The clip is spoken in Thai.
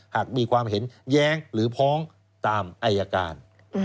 หากมีความเห็นแย้งหรือพ้องตามอายการ